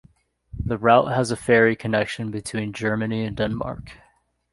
The route has a ferry connection between Germany and Denmark.